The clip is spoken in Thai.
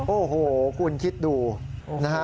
โอ้โหคุณคิดดูนะฮะ